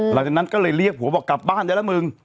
หลังจากนั้นก็เลยเรียกผัวบอกกลับบ้านได้แล้วมึง